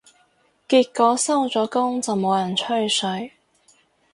結果收咗工就冇人吹水